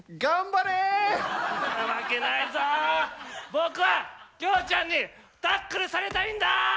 僕は京ちゃんにタックルされたいんだ！